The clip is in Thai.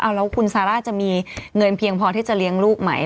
แล้วคุณซาร่าจะมีเงินเพียงพอที่จะเลี้ยงลูกไหม